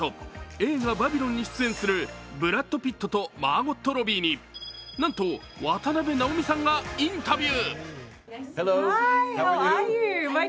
映画「バビロン」に出演するブラッド・ピットとマーゴット・ロビーになんと、渡辺直美さんがインタビュー。